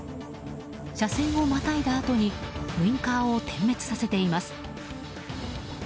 車線をまたいだあとにウィンカーを点滅させています。